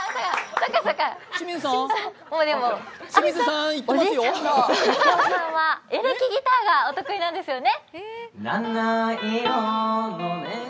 おじいちゃんの幸男さんはエレキギターがお得意なんですよね。